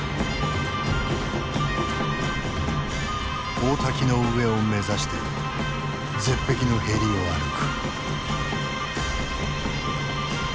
大滝の上を目指して絶壁のへりを歩く。